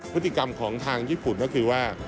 พฤติกรรมของทางญี่ปุ่นก็คือว่า